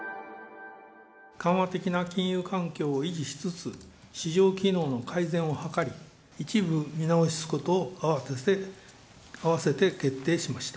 緩和的な金融環境を維持しつつ、市場機能の改善を図り、一部見直すことを合わせて決定しました。